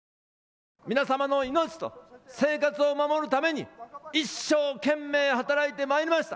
皆さまの命と生活を守るために一生懸命働いてまいりました。